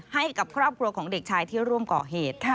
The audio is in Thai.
ให้กับครอบครัวของเด็กชายที่ร่วมก่อเหตุ